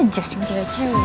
just yang cewek cewek